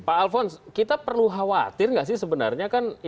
pak alfons kita perlu khawatir nggak sih sebenarnya kan ini kan yang kita